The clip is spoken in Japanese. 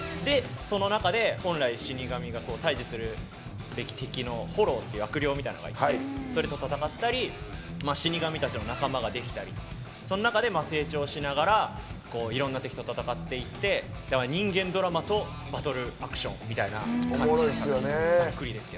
その中で本来、死神が退治するべき敵のホロウっていう悪霊みたいなのがいてそれと戦ったり死神たちの仲間ができたりとかその中で成長しながらいろんな敵と戦っていって、人間ドラマとバトルアクションみたいな感じの作品です。